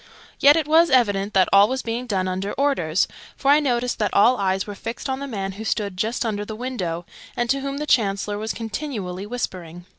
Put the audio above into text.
Yet it was evident that all was being done under orders, for I noticed that all eyes were fixed on the man who stood just under the window, and to whom the Chancellor was continually whispering.